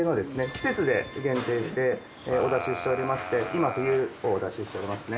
季節で限定してお出ししておりまして今冬をお出ししておりますね。